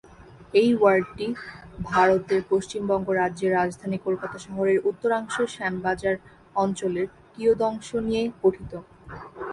এই ওয়ার্ডটি ভারতের পশ্চিমবঙ্গ রাজ্যের রাজধানী কলকাতা শহরের উত্তরাংশের শ্যামবাজার অঞ্চলের কিয়দংশ নিয়ে গঠিত।